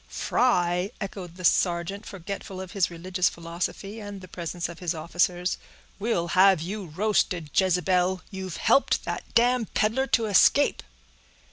"Fry!" echoed the sergeant, forgetful of his religious philosophy, and the presence of his officers. "We'll have you roasted, Jezebel!—you've helped that damned peddler to escape."